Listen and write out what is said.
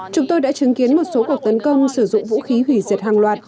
chúng tôi đã chứng kiến một số cuộc tấn công sử dụng vũ khí hủy diệt hàng loạt